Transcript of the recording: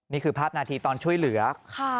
นี่คือภาพนาทีตอนช่วยเหลือ